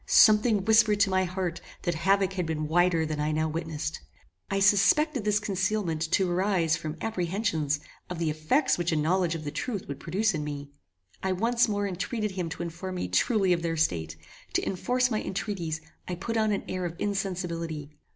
Something whispered to my heart that havoc had been wider than I now witnessed. I suspected this concealment to arise from apprehensions of the effects which a knowledge of the truth would produce in me. I once more entreated him to inform me truly of their state. To enforce my entreaties, I put on an air of insensibility.